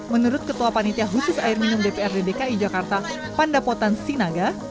menurut ketua panitia khusus air minum dpr di dki jakarta pandapotan sinaga